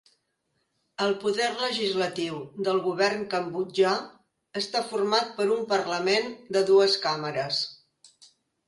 El poder legislatiu del govern cambodjà està format per un parlament de dues càmeres.